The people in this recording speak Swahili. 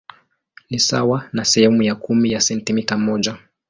Ni sawa na sehemu ya kumi ya sentimita moja.